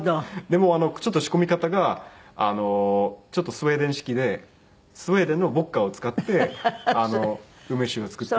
でもちょっと仕込み方がスウェーデン式でスウェーデンのウォッカを使って梅酒を作ってみました。